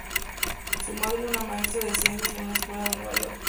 Su madre era una maestra de ciencias en una escuela de Nueva York.